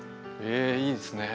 えいいですね。